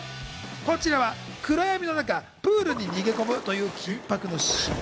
こちらは暗闇の中、プールに逃げ込むという緊迫のシーン。